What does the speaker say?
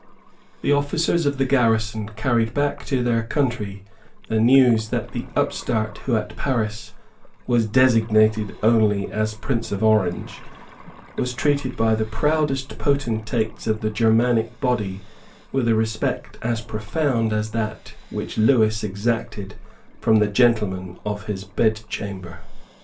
The officers of the garrison carried back to their country the news that the upstart who at Paris was designated only as Prince of Orange, was treated by the proudest potentates of the Germanic body with a respect as profound as that which Lewis exacted from the gentlemen of his bedchamber.